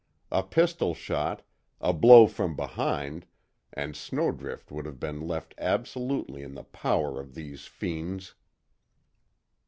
A pistol shot, a blow from behind, and Snowdrift would have been left absolutely in the power of these fiends.